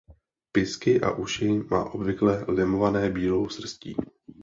Pysky a uši má obvykle lemované bílou srstí.